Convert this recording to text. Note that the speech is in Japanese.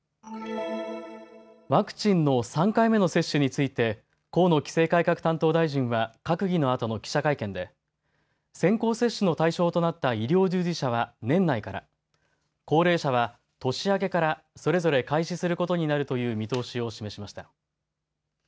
ワクチンの３回目の接種について河野規制改革担当大臣は閣議のあとの記者会見で先行接種の対象となった医療従事者は年内から、高齢者は年明けからそれぞれ開始することになるという見通しを示しました。